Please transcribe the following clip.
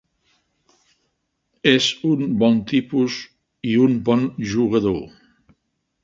És un bon tipus i un bon jugador.